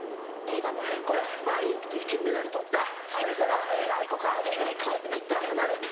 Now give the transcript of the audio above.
これまぁ金メダル取ったそれから映画行こかいうていったん離れて。